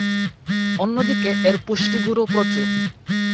অন্যদিকে এর পুষ্টি গুন ও প্রচুর।